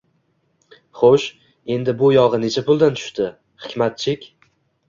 Xoʻsh, endi bu yogʻi necha puldan tushdi, Hikmatchik?